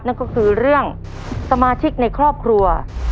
นั่นก็คือเรื่องสมาชิกในครอบครัว